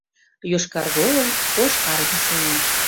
Йошкарге огыл, ош армий сеҥа.